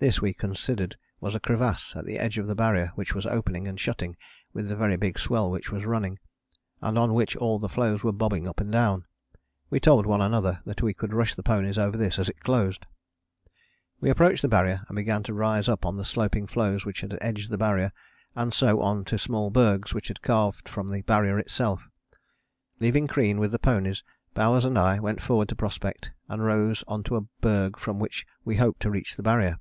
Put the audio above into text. This we considered was a crevasse at the edge of the Barrier which was opening and shutting with the very big swell which was running, and on which all the floes were bobbing up and down. We told one another that we could rush the ponies over this as it closed. We approached the Barrier and began to rise up on the sloping floes which had edged the Barrier and so on to small bergs which had calved from the Barrier itself. Leaving Crean with the ponies, Bowers and I went forward to prospect, and rose on to a berg from which we hoped to reach the Barrier.